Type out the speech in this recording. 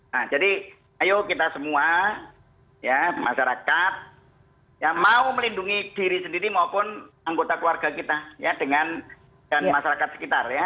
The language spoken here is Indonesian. nah jadi ayo kita semua ya masyarakat yang mau melindungi diri sendiri maupun anggota keluarga kita ya dengan dan masyarakat sekitar ya